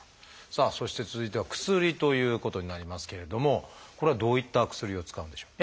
さあそして続いては「薬」ということになりますけれどもこれはどういった薬を使うんでしょう？